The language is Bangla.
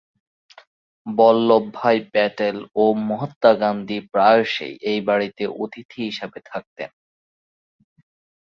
বল্লভভাই প্যাটেল ও মহাত্মা গান্ধী প্রায়শই এই বাড়িতে অতিথি হিসেবে থাকতেন।